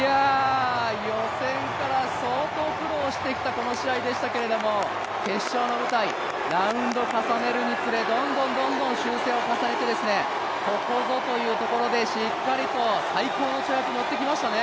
予選から相当苦労してきた、この試合でしたけれども、決勝の舞台、ラウンドを重ねるにつれ、どんどんどんどん修正を重ねてここぞというところでしっかりと最高のチャージを持ってきましたね。